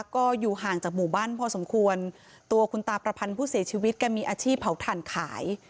ก็อยู่ห่างจากหมู่บ้านพอสมควรตัวคุณตาประพันธ์ผู้เสียชีวิตแกมีอาชีพเผาถ่านขาย